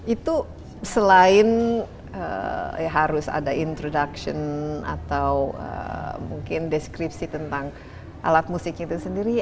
itu selain harus ada introduction atau mungkin deskripsi tentang alat musik itu sendiri